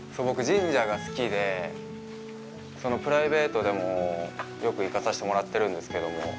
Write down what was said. プライベートでも、よく行かさせてもらってるんですけども。